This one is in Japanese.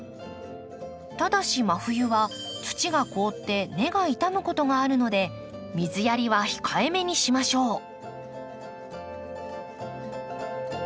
ただし真冬は土が凍って根が傷むことがあるので水やりは控えめにしましょう。